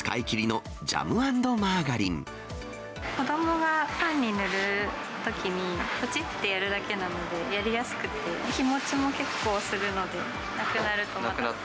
子どもがパンに塗るときに、ぷちってやるだけなので、やりやすくて、日もちも結構するので、なくなるとまた。